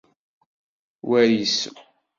War isem.